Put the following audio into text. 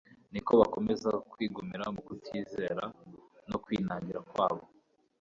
niko bakomezaga kwigumira mu kutizera no kwinangira kwabo.